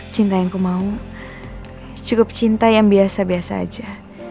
cinta yang kumau cukup cinta yang biasa biasa aja